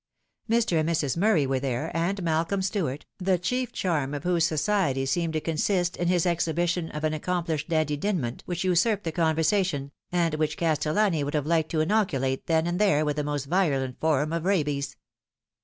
Mr. and Mrs. Murray were there, and Malcolm Stuart, the chief charm of whose society seemed to consist in his exhibition of an accomplished Dandie Dinmont which usurped the conversa tion, and which Castellani would have liked to inoculate then and there with the most virulent form of rabies.